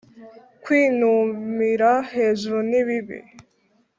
kwinumira hejuru ni bibi